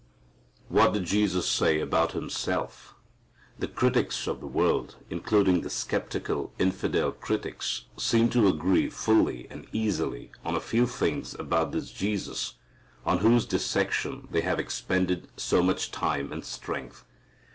What did Jesus say about Himself? The critics of the world, including the skeptical, infidel critics, seem to agree fully and easily on a few things about this Jesus on whose dissection they have expended so much time and strength.